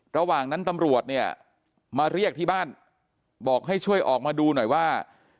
ระหว่างนั้นตำรวจเนี่ยมาเรียกที่บ้านบอกให้ช่วยออกมาดูหน่อยว่า